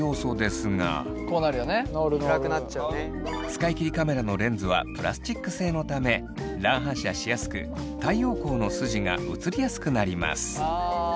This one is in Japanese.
使い切りカメラのレンズはプラスチック製のため乱反射しやすく太陽光の筋が写りやすくなります。